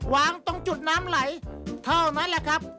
วางตรงจุดน้ำไหลเท่านั้นแหละครับ